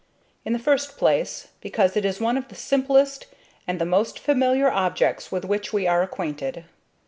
In the first place, because it is one of the simplest and the most familiar objects with which we are acquainted.